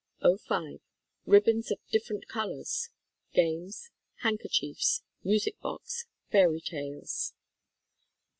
'05. Ribbons of different colors, games, hand kerchiefs, music box, Fairy Tales.